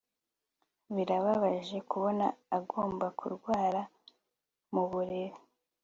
Birababaje kubona agomba kurwara mu buriri